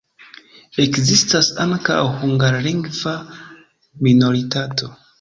Ekzistas ankaŭ hungarlingva minoritato.